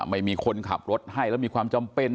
ไม่มีคนขับรถให้แล้วมีความจำเป็น